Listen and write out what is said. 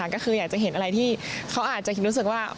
ก็คืออยากจะเห็นอะไรที่เขาอาจจะรู้สึกว่า